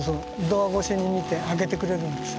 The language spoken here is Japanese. ドア越しに見て開けてくれるんです。